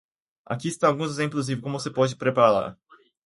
Aqui estão alguns exemplos de como você pode prepará-la: